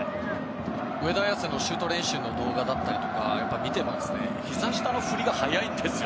上田綺世のシュート練習の動画だったりとかを見てますとひざ下の振りが速いんですよ。